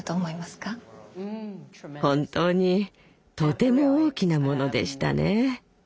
本当にとても大きなものでしたね。